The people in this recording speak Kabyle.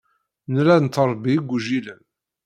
Nella nettṛebbi igujilen.